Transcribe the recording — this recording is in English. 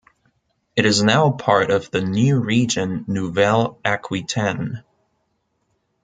It is now part of the new region Nouvelle-Aquitaine.